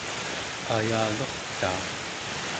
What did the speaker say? ayalurtaa